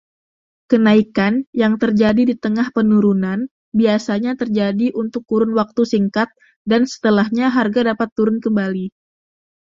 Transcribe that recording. Kenaikan yang terjadi di tengah penurunan biasanya terjadi untuk kurun waktu singkat dan setelahnya harga dapat turun kembali.